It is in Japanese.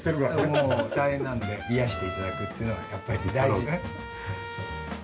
もう大変なんで癒やして頂くっていうのがやっぱり大事。